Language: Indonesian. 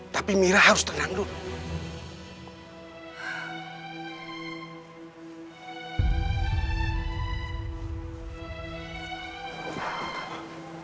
tapi mira harus tenang dulu